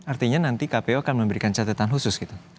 artinya nanti kpu akan memberikan catatan khusus gitu